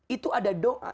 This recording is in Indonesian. itu ada doa